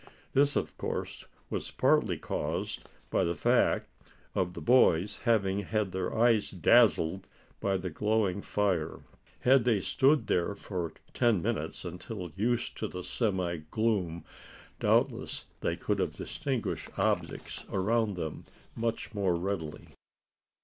This, of course, was partly caused by the fact of the boys having had their eyes dazzled by the glowing fire. Had they stood there for ten minutes, until used to the semi gloom, doubtless they could have distinguished objects around them much more readily.